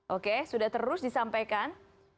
oke sudah terus disampaikan